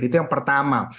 itu yang pertama